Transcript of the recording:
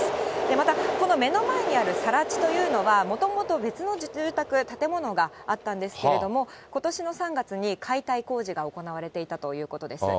またこの目の前にあるさら地というのは、もともと、別の住宅や建物があったんですけれども、ことしの３月に解体工事が行われていたということです。